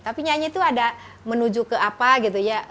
tapi nyanyi itu ada menuju ke apa gitu ya